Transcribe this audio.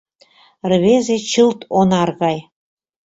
Рвезе чылт онар гай.